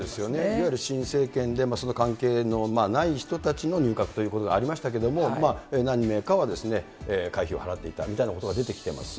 いわゆる新政権でその関係のない人たちの入閣ということがありましたけれども、何名かは会費を払っていたみたいなことが出てきてます。